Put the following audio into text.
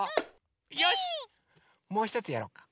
よしっもうひとつやろうか。